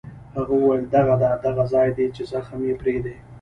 هغه وویل: دغه ده، دغه ځای دی چې زخم یې پرې دی.